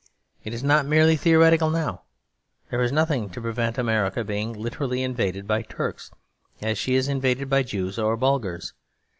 It is not merely theoretical now. There is nothing to prevent America being literally invaded by Turks, as she is invaded by Jews or Bulgars.